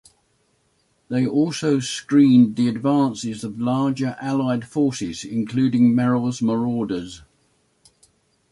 They also screened the advances of larger Allied forces, including Merrill's Marauders.